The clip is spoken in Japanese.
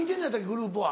グループは。